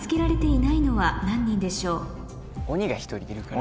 鬼が１人いるから。